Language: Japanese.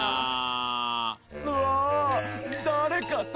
うわ！